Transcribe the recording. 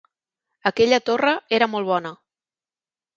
Aquella torra era molt bona